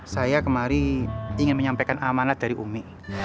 saya kemari ingin menyampaikan amanah dari umi